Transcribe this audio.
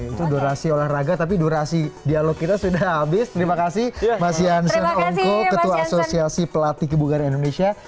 itu durasi olahraga tapi durasi dialog kita sudah habis terima kasih mas jansen ongko ketua asosiasi pelatih kebugaran indonesia